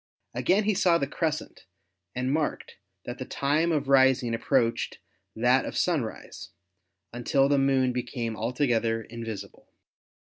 Again he saw the crescent and marked that the time of rising approached that of sunrise, until the Moon became altogether invisible.